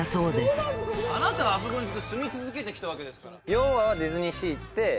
あなたはあそこにずっと住み続けてきたわけですから。